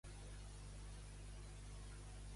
Va estudiar la secundària en l'Escola Normal número .